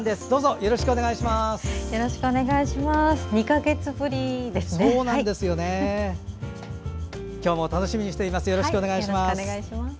よろしくお願いします。